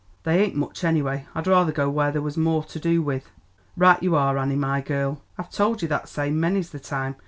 "They ain't much anyway. I'd rather go where there was more to do with." "Right you are, Annie, my girl, I've towld you that same many's the time.